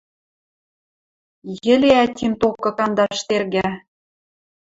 Йӹле ӓтим токы кандаш тергӓ